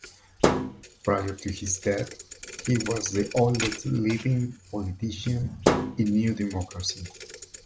Prior to his death he was the oldest living politician in New Democracy.